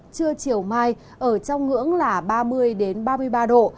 trưa chiều mai ở trong ngưỡng là ba mươi ba mươi ba độ